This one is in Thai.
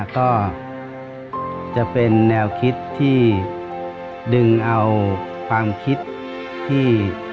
ก็จะเป็นแนวคิดที่ดึงเอาความคิดที่